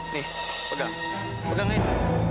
nih pegang pegangin